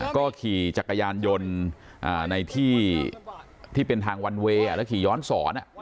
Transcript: ก็ขี่จักรยานยนต์ในที่เป็นทางวันเวย์แล้วขี่ย้อนสอน